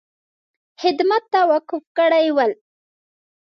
خدمت ته وقف کړي ول.